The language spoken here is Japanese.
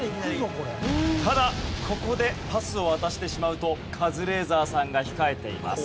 ただここでパスを渡してしまうとカズレーザーさんが控えています。